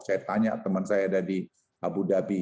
saya tanya teman saya ada di abu dhabi